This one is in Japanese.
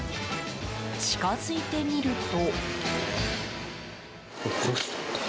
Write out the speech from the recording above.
近づいてみると。